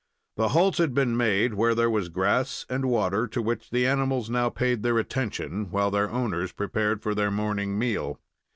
The halt had been made where there was grass and water, to which the animals now paid their attention, while their owners prepared for their morning meal.